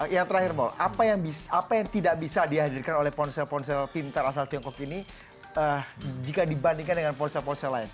yang terakhir mall apa yang tidak bisa dihadirkan oleh ponsel ponsel pintar asal tiongkok ini jika dibandingkan dengan ponsel ponsel lain